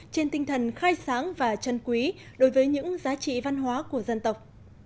trên tinh thần khai sáng và chân quý đối với những giá trị văn hóa của dân tộc